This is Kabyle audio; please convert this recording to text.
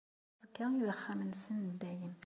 D aẓekka i d axxam-nsen n dayem.